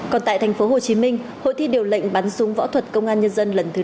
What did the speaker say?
còn tại thành phố hồ chí minh hội thi điều lệnh bắn súng võ thuật công an nhân dân lần thứ năm